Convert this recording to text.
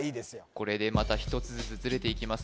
これでまた一つずつずれていきます